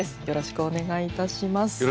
よろしくお願いします。